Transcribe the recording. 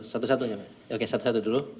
satu satunya oke satu satu dulu